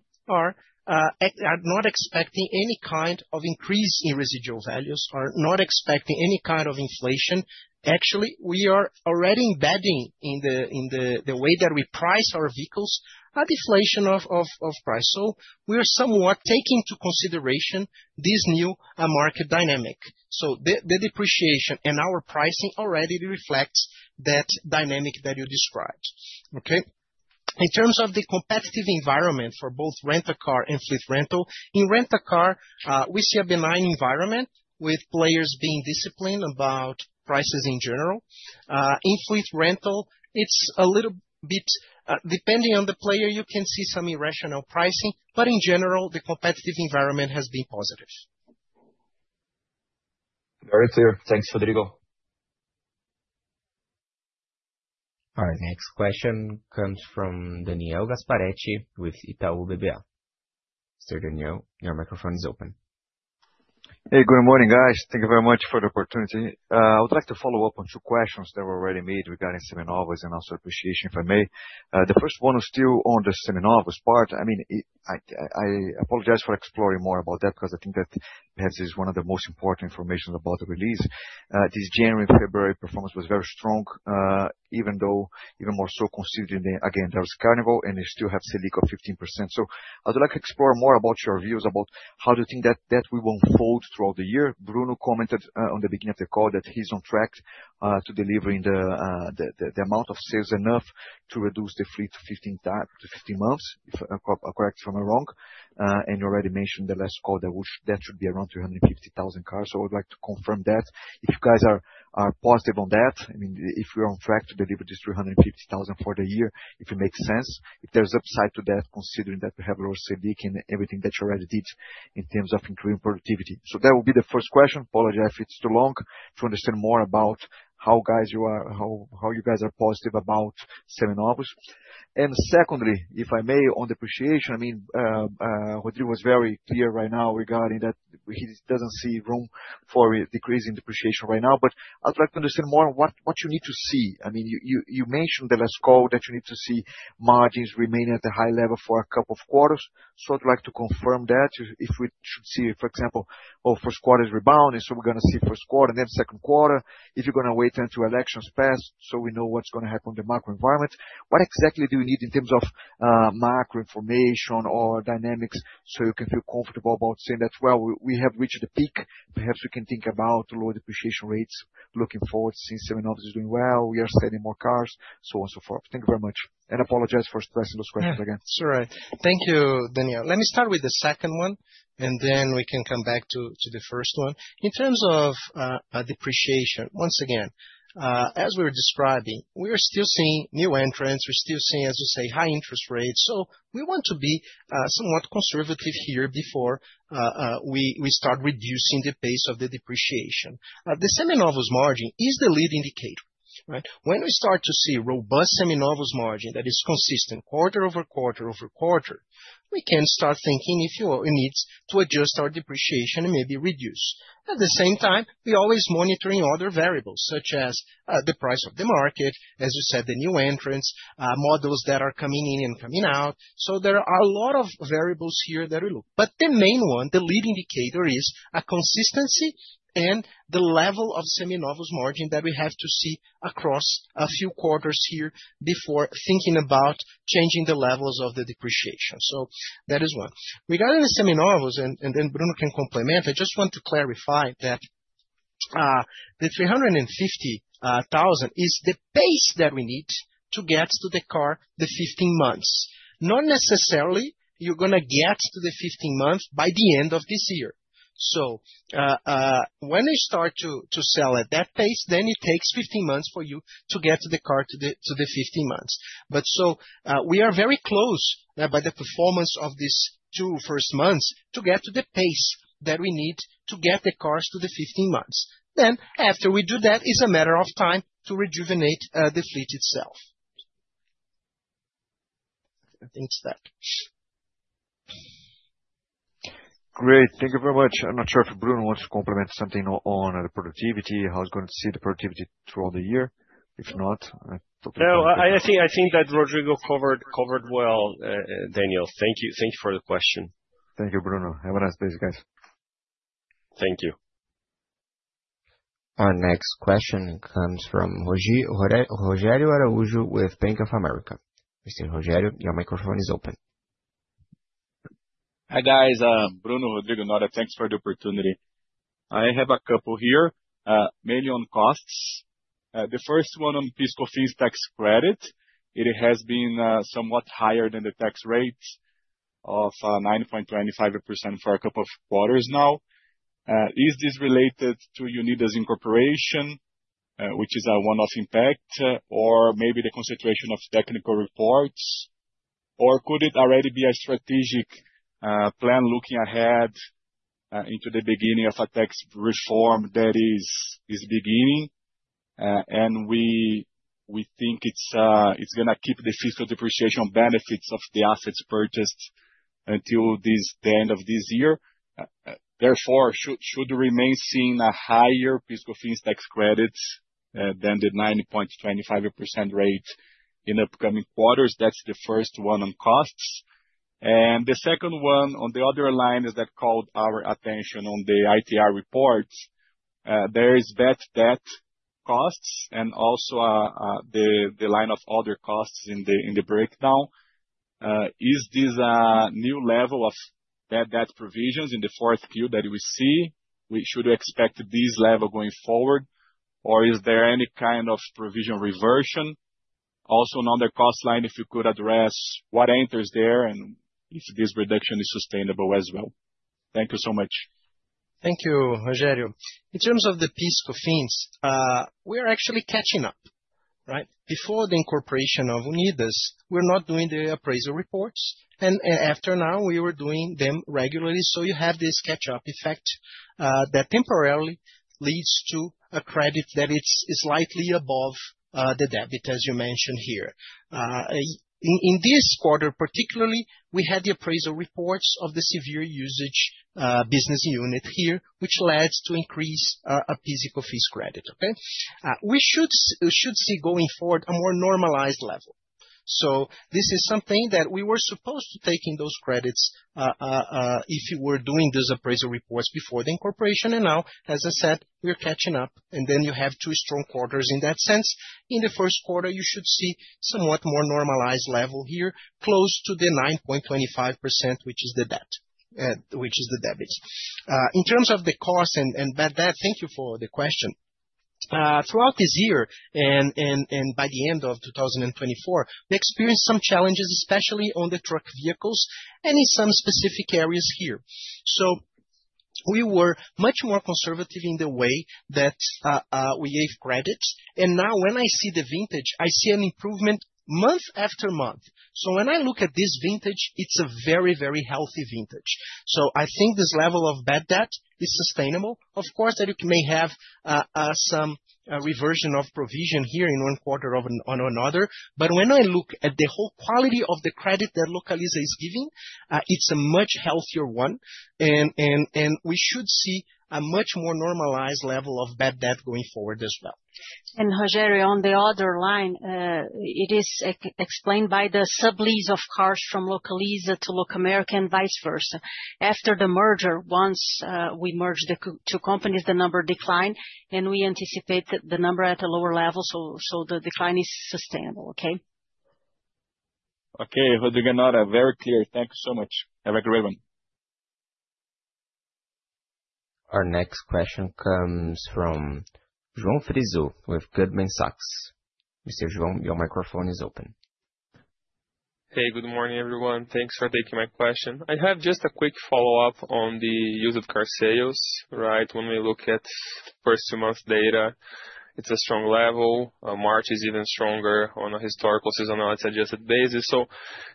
are not expecting any kind of increase in residual values, are not expecting any kind of inflation. Actually, we are already embedding in the way that we price our vehicles, a deflation of price. We are somewhat taking into consideration this new market dynamic. The depreciation and our pricing already reflects that dynamic that you described. Okay? In terms of the competitive environment for both rent a car and fleet rental, in rent a car, we see a benign environment with players being disciplined about prices in general. In fleet rental, it's a little bit, depending on the player, you can see some irrational pricing, but in general, the competitive environment has been positive. Very clear. Thanks, Rodrigo. Our next question comes from Daniel Gasparetti, with Itaú BBA. Sir Daniel, your microphone is open. Hey, good morning, guys. Thank you very much for the opportunity. I would like to follow up on two questions that were already made regarding inaudible, and also appreciation, if I may. The first one is still on the inaudible part. I mean, I apologize for exploring more about that, 'cause I think that perhaps is one of the most important information about the release. This January and February performance was very strong, even though, even more so considering that, again, there was Carnival, and you still have Selic of 15%. I would like to explore more about your views about how do you think that will unfold throughout the year. Bruno commented, on the beginning of the call, that he's on track to delivering the amount of sales enough to reduce the fleet to 15 months, if correct me if I'm wrong. You already mentioned the last call, that should be around 350,000 cars. I would like to confirm that. If you guys are positive on that, I mean, if we're on track to deliver this 350,000 for the year, if it makes sense, if there's upside to that, considering that we have lower Selic and everything that you already did in terms of improving productivity. That would be the first question. Apologize if it's too long, to understand more about how you guys are positive about Seminovos. Secondly, if I may, on depreciation, I mean, Rodrigo was very clear right now regarding that he doesn't see room for a decrease in depreciation right now. I'd like to understand more on what you need to see. I mean, you mentioned the last call, that you need to see margins remaining at the high level for a couple of quarters. I'd like to confirm that, if we should see, for example, oh, first quarter is rebounding, so we're gonna see first quarter and then second quarter. If you're gonna wait until elections pass, so we know what's gonna happen in the macro environment. What exactly do you need in terms of macro information or dynamics so you can feel comfortable about saying that, "Well, we have reached the peak? Perhaps we can think about lower depreciation rates looking forward, since Seminovos is doing well, we are selling more cars, so on, so forth. Thank you very much, and apologize for stressing those questions again. Sure. Thank you, Daniel. Let me start with the second one, and then we can come back to the first one. In terms of depreciation, once again, as we were describing, we are still seeing new entrants, we're still seeing, as you say, high interest rates, so we want to be somewhat conservative here before we start reducing the pace of the depreciation. The Seminovos margin is the lead indicator, right? When we start to see robust Seminovos margin that is consistent quarter over quarter over quarter, we can start thinking if it needs to adjust our depreciation and maybe reduce. At the same time, we're always monitoring other variables, such as the price of the market, as you said, the new entrants, models that are coming in and coming out. There are a lot of variables here that we look. The main one, the lead indicator, is a consistency and the level of Seminovos margin that we have to see across a few quarters here before thinking about changing the levels of the depreciation. That is one. Regarding the Seminovos, and then Bruno can complement, I just want to clarify that the 350,000 is the pace that we need to get to the car the 15 months. Not necessarily you're gonna get to the 15 months by the end of this year. When you start to sell at that pace, then it takes 15 months for you to get to the car to the 15 months. We are very close by the performance of these two first months, to get to the pace that we need to get the cars to the 15 months. After we do that, it's a matter of time to rejuvenate the fleet itself. I think it's that. Great. Thank you very much. I'm not sure if Bruno wants to complement something on the productivity, how he's going to see the productivity throughout the year. If not. No, I think that Rodrigo covered well, Daniel. Thank you for the question. Thank you, Bruno. Have a nice day, guys. Thank you. Our next question comes from Rogerio Araujo with Bank of America. Mr. Rogerio, your microphone is open. Hi, guys. Bruno, Rodrigo, Nora, thanks for the opportunity. I have a couple here, mainly on costs. The first one on fiscal fees tax credit. It has been somewhat higher than the tax rates of 9.25% for a couple of quarters now. Is this related to Unidas Incorporation, which is a one-off impact, or maybe the concentration of technical reports? Or could it already be a strategic plan looking ahead into the beginning of a tax reform that is beginning, and we think it's gonna keep the fiscal depreciation benefits of the assets purchased until this, the end of this year? Therefore, should we remain seeing a higher fiscal fees tax credits than the 9.25% rate in upcoming quarters? That's the first one on costs. The second one, on the other line, is that caught our attention on the ITR report. There is bad debt costs and also, the line of other costs in the breakdown. Is this a new level of bad debt provisions in the fourth quarter that we see? We should expect this level going forward, or is there any kind of provision reversion? Also, another cost line, if you could address what enters there, and if this reduction is sustainable as well? Thank you so much. Thank you, Rogerio. In terms of the PIS/Cofins, we're actually catching up, right? Before the incorporation of Unidas, we're not doing the appraisal reports, and, after now, we were doing them regularly, so you have this catch-up effect, that temporarily leads to a credit that is slightly above, the debit, as you mentioned here. In this quarter, particularly, we had the appraisal reports of the severe usage, business unit here, which leads to increase, a PIS/Cofins credit, okay? We should see going forward a more normalized level. This is something that we were supposed to taking those credits, if you were doing those appraisal reports before the incorporation, and now, as I said, we are catching up, and then you have two strong quarters in that sense. In the first quarter, you should see somewhat more normalized level here, close to the 9.25%, which is the debt, which is the debit. In terms of the cost and bad debt, thank you for the question. Throughout this year, and by the end of 2024, we experienced some challenges, especially on the truck vehicles and in some specific areas here. We were much more conservative in the way that we gave credits, and now when I see the vintage, I see an improvement month after month. When I look at this vintage, it's a very healthy vintage. I think this level of bad debt is sustainable. Of course, that it may have some reversion of provision here in one quarter or on another, when I look at the whole quality of the credit that Localiza is giving, it's a much healthier one. We should see a much more normalized level of bad debt going forward as well. Rogerio, on the other line, it is explained by the sublease of cars from Localiza to Locamérica, and vice versa. After the merger, once, we merged the two companies, the number declined, and we anticipate the number at a lower level, so the decline is sustainable. Okay? Okay, Rodrigo Nora, very clear. Thank you so much. Have a great one. Our next question comes from João Frizzo with Goldman Sachs. Mr. João, your microphone is open. Hey, good morning, everyone. Thanks for taking my question. I have just a quick follow-up on the used of car sales, right? When we look at first two months data, it's a strong level. March is even stronger on a historical, seasonal and adjusted basis.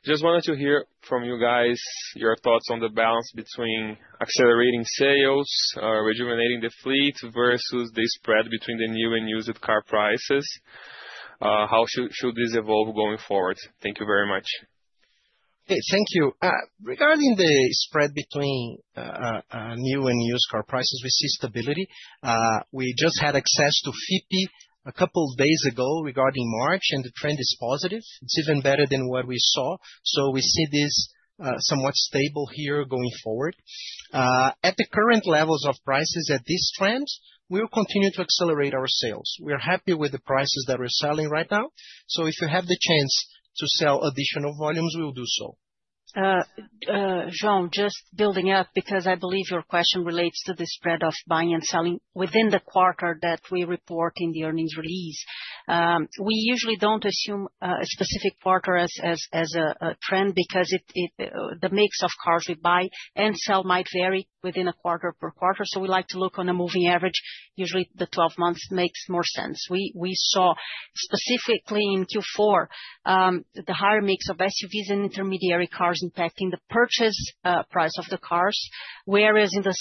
Just wanted to hear from you guys, your thoughts on the balance between accelerating sales, rejuvenating the fleet versus the spread between the new and used car prices. How should this evolve going forward? Thank you very much. Hey, thank you. Regarding the spread between new and used car prices, we see stability. We just had access to Fipe a couple days ago regarding March. The trend is positive. It's even better than what we saw. We see this somewhat stable here going forward. At the current levels of prices at this trend, we will continue to accelerate our sales. We are happy with the prices that we're selling right now. If we have the chance to sell additional volumes, we will do so. João, just building up, because I believe your question relates to the spread of buying and selling within the quarter that we report in the earnings release. We usually don't assume a specific quarter as a trend because it, the mix of cars we buy and sell might vary within a quarter per quarter, so we like to look on a moving average. Usually, the 12 months makes more sense. We saw specifically in Q4, the higher mix of SUVs and intermediary cars impacting the purchase price of the cars, whereas in the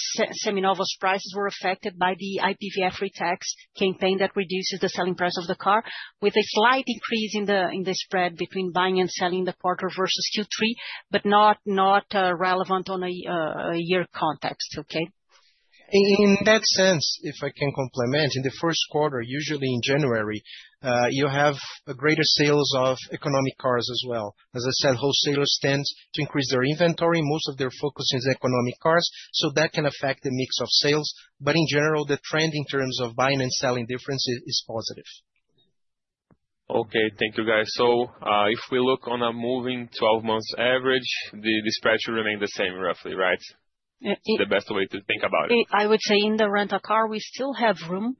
Seminovos prices were affected by the IPVA free tax campaign that reduces the selling price of the car, with a slight increase in the spread between buying and selling the quarter versus Q3, but not relevant on a year context. Okay? In that sense, if I can complement, in the first quarter, usually in January, you have a greater sales of economic cars as well. As I said, wholesalers tends to increase their inventory. Most of their focus is economic cars, so that can affect the mix of sales, but in general, the trend in terms of buying and selling difference is positive. Okay. Thank you, guys. If we look on a moving 12 months average, the spread should remain the same roughly, right? Yeah. The best way to think about it. I would say in the Rent a Car, we still have room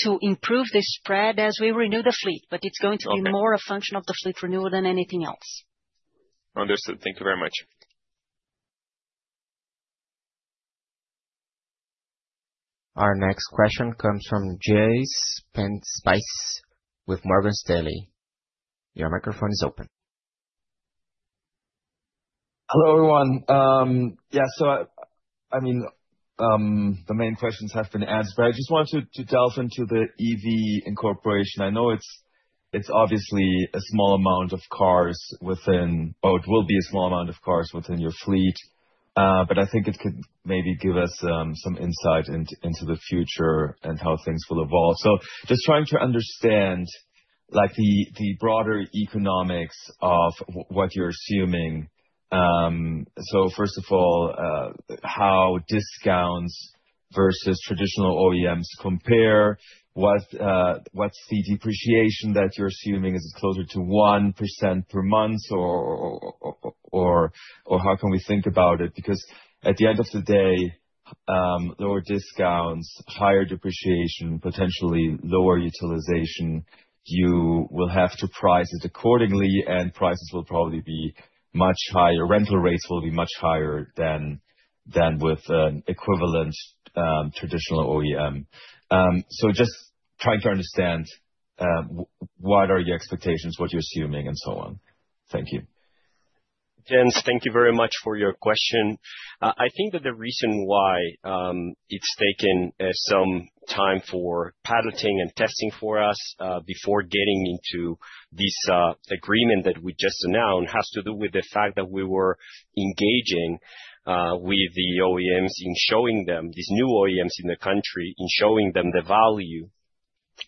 to improve the spread as we renew the fleet. Okay. more a function of the fleet renewal than anything else. Understood. Thank you very much. Our next question comes from Jens Spiess with Morgan Stanley. Your microphone is open. Hello, everyone. The main questions have been answered, but I just wanted to delve into the EV incorporation. I know it's obviously a small amount of cars within, or it will be a small amount of cars within your fleet, but I think it could maybe give us some insight into the future and how things will evolve. Just trying to understand, like, the broader economics of what you're assuming. First of all, how discounts versus traditional OEMs compare? What's the depreciation that you're assuming? Is it closer to 1% per month or how can we think about it? At the end of the day, lower discounts, higher depreciation, potentially lower utilization, you will have to price it accordingly, and rental rates will be much higher than with an equivalent traditional OEM. Just trying to understand what are your expectations, what you're assuming, and so on? Thank you. Jens, thank you very much for your question. I think that the reason why it's taken some time for piloting and testing for us before getting into this agreement that we just announced, has to do with the fact that we were engaging with the OEMs in showing them, these new OEMs in the country, in showing them the value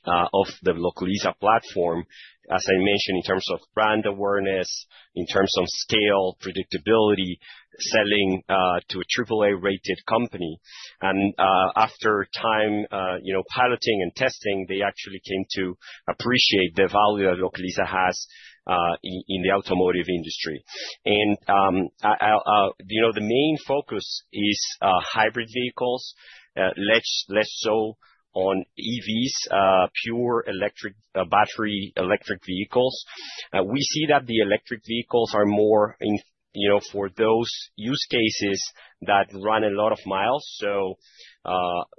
of the Localiza platform. As I mentioned, in terms of brand awareness, in terms of scale, predictability, selling to a triple A rated company. After time, you know, piloting and testing, they actually came to appreciate the value that Localiza has in the automotive industry. You know, the main focus is hybrid vehicles, less, less so on EVs, pure electric, battery electric vehicles. We see that the electric vehicles are more in, you know, for those use cases that run a lot of miles. So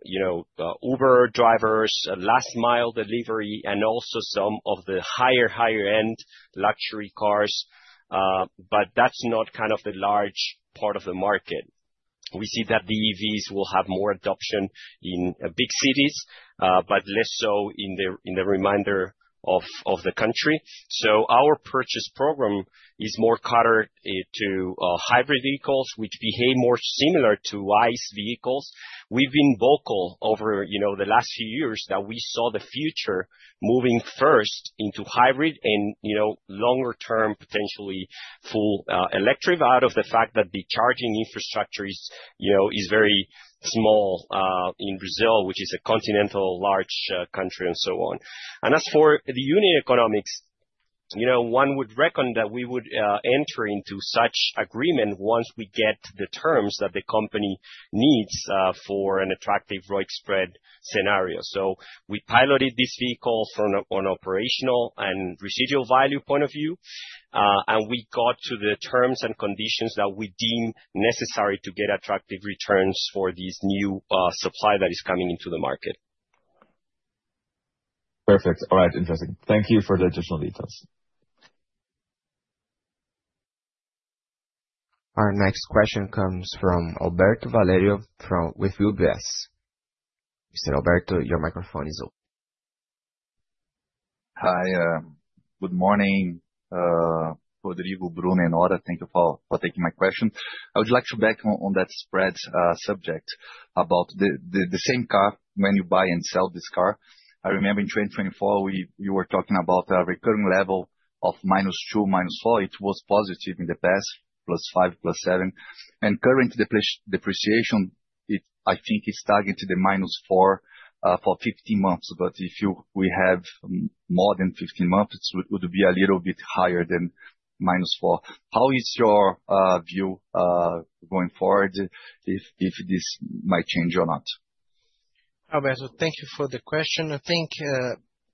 you know Uber drivers, last mile delivery, and also some of the higher, higher end luxury cars but that's not kind of the large part of the market. We see that the EVs will have more adoption in big cities but less so in the, in the remainder of the country. So our purchase program is more catered hybrid vehicles, which behave more similar to ICE vehicles. We've been vocal over, you know, the last few years that we saw the future moving first into hybrid and, you know, longer term, potentially full electric, out of the fact that the charging infrastructure is, you know, is very small in Brazil, which is a continental, large country and so on. As for the unit economics, you know, one would reckon that we would enter into such agreement once we get the terms that the company needs for an attractive ROIC spread scenario. We piloted this vehicle from an operational and residual value point of view, and we got to the terms and conditions that we deem necessary to get attractive returns for this new supply that is coming into the market. Perfect. All right, interesting. Thank you for the additional details. Our next question comes from Alberto Valerio with UBS. Mr. Alberto, your microphone is open. Hi, good morning, Rodrigo, Bruno, and Nora Lanari. Thank you for taking my question. I would like to back on that spread subject, about the same car when you buy and sell this car. I remember in 2024, you were talking about a recurring level of -2, -4. It was positive in the past, +5, +7. Current depreciation, I think, is targeted to the -4 for 15 months. If we have more than 15 months, it would be a little bit higher than -4. How is your view going forward, if this might change or not? Alberto, thank you for the question. I think,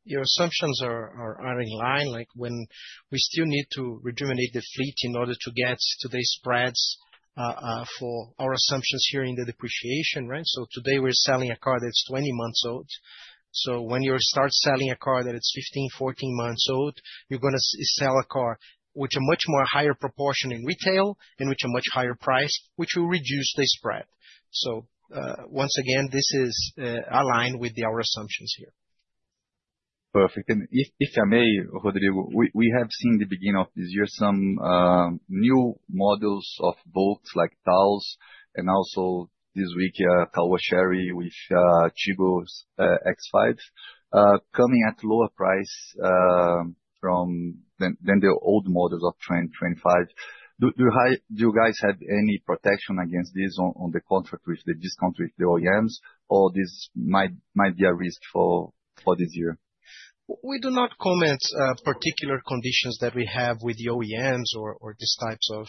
your assumptions are in line, like, when we still need to rejuvenate the fleet in order to get to the spreads for our assumptions here in the depreciation, right? Today, we're selling a car that's 20 months old. When you start selling a car that is 15, 14 months old, you're gonna sell a car with a much more higher proportion in retail and with a much higher price, which will reduce the spread. Once again, this is aligned with our assumptions here. Perfect. If I may, Rodrigo, we have seen the beginning of this year some new models of both, Taos and also this week, Caoa Chery, which, Tiggo 5x, coming at lower price than the old models of 2025. Do you guys have any protection against this on the contract with the discount with the OEMs, or this might be a risk for this year? We do not comment particular conditions that we have with the OEMs or these types of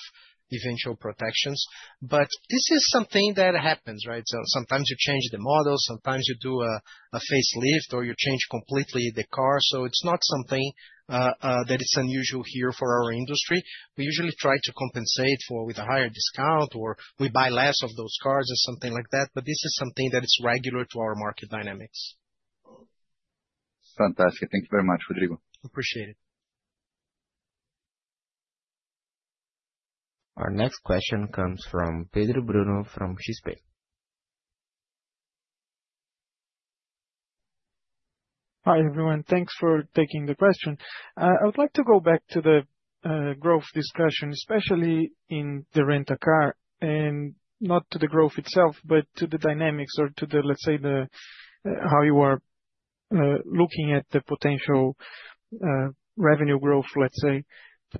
eventual protections, but this is something that happens, right? Sometimes you change the model, sometimes you do a facelift or you change completely the car. It's not something that is unusual here for our industry. We usually try to compensate for with a higher discount, or we buy less of those cars or something like that, but this is something that is regular to our market dynamics. Fantastic. Thank you very much, Rodrigo. Appreciate it. Our next question comes from Pedro Bruno, from XP. Hi, everyone. Thanks for taking the question. I would like to go back to the growth discussion, especially in the Rent a Car, and not to the growth itself, but to the dynamics or to the how you are looking at the potential revenue growth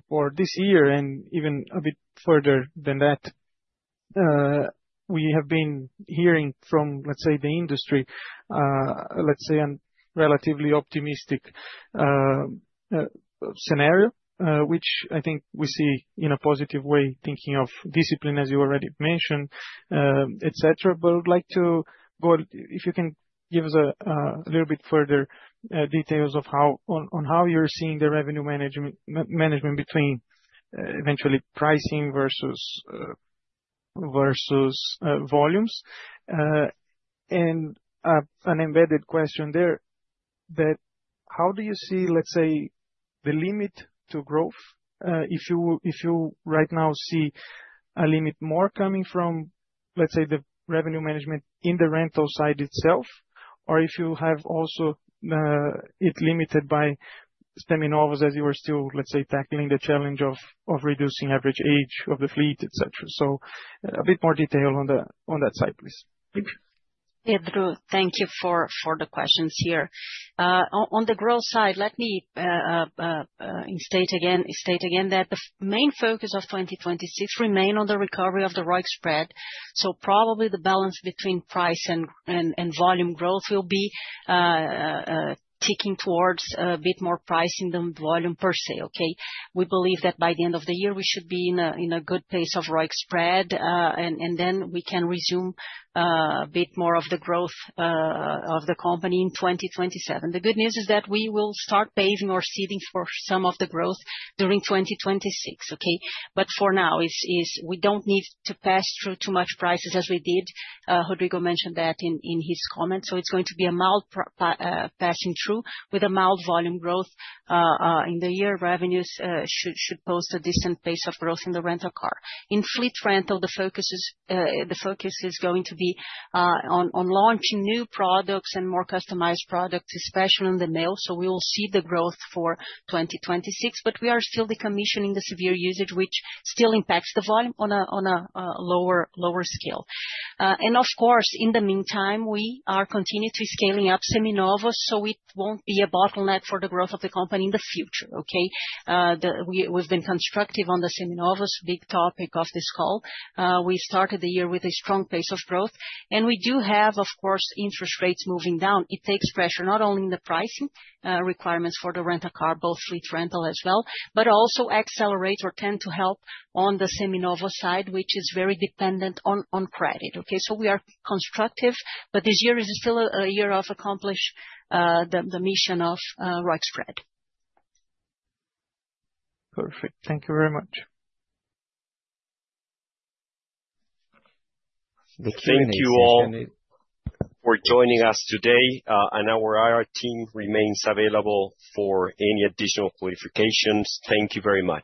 for this year and even a bit further than that. We have been hearing from the industry a relatively optimistic scenario, which I think we see in a positive way, thinking of discipline, as you already mentioned, et cetera. I would like to go, if you can give us a little bit further details of how you're seeing the revenue management between eventually pricing versus volumes. An embedded question there, that how do you see, let's say, the limit to growth? If you right now see a limit more coming from, let's say, the revenue management in the rental side itself, or if you have also it limited by Seminovos as you are still, let's say, tackling the challenge of reducing average age of the fleet, et cetera. A bit more detail on that side, please. Thank you. Pedro, thank you for the questions here. On the growth side, let me state again that the main focus of 2026 remain on the recovery of the ROIC spread. Probably the balance between price and volume growth will be ticking towards a bit more pricing than volume per se, okay? We believe that by the end of the year, we should be in a good pace of ROIC spread, and then we can resume a bit more of the growth of the company in 2027. The good news is that we will start paving or seeding for some of the growth during 2026, okay? For now, it's we don't need to pass through too much prices as we did. Rodrigo mentioned that in his comments. It's going to be a mild passing through with a mild volume growth in the year. Revenues should post a decent pace of growth in the Rent a Car. In fleet rental, the focus is going to be on launching new products and more customized products, especially in the Meoo. We will see the growth for 2026, but we are still decommissioning the severe usage, which still impacts the volume on a lower scale. Of course, in the meantime, we are continuing to scaling up Seminovos, it won't be a bottleneck for the growth of the company in the future, okay? We've been constructive on the Seminovos, big topic of this call. We started the year with a strong pace of growth, and we do have, of course, interest rates moving down. It takes pressure, not only in the pricing requirements for the rental car, both fleet rental as well, but also accelerates or tend to help on the Seminovos side, which is very dependent on credit, okay? We are constructive, but this year is still a year of accomplish the mission of ROIC spread. Perfect. Thank you very much. Thank you all for joining us today. Our IR team remains available for any additional qualifications. Thank you very much.